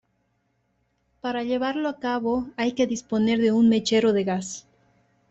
Para llevarlo a cabo hay que disponer de un mechero de gas.